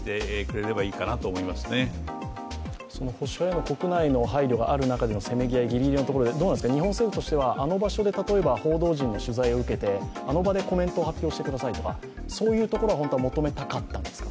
保守派への国内への配慮がある中でのせめぎ合い、せめぎ合い、ギリギリのところで日本政府としてはあの場で報道陣が取材を受けて、あの場でコメントを発表してくださいと、そういうところは本当は求めたかったんですか。